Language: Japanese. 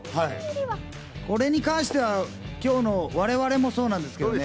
これに関しては今日の我々もそうなんです。